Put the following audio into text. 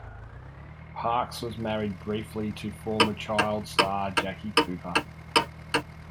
Parks was married briefly to former child star Jackie Cooper.